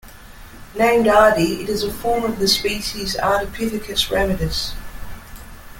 Named Ardi, it is a form of the species "Ardipithecus ramidus".